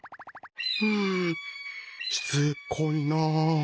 んしつこいな。